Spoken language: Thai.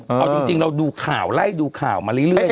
เอาจริงเราดูข่าวไล่ดูข่าวมาเรื่อย